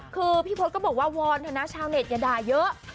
คือพี่พศก็บอกว่าวอนเถอะนะชาวเน็ตอย่าด่าเยอะ